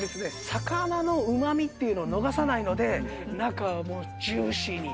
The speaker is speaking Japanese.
魚のうまみっていうのを逃さないので中はもうジューシーに。